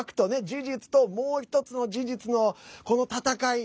事実と、もう１つの事実のこの戦い。